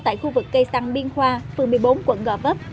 tại khu vực cây xăng biên khoa phường một mươi bốn quận gò vấp